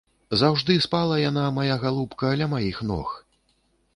Заўжды спала яна, мая галубка, ля маіх ног.